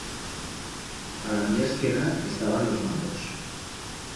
A la mía esquena estaban los mandos.